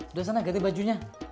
udah sana ganti bajunya